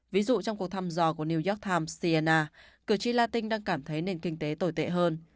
ví dụ trong cuộc thăm dò của new york times cenna cử tri latin đang cảm thấy nền kinh tế tồi tệ hơn